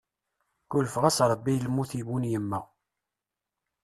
Kulfeɣ-as Rebbi i lmut yuwin yemma.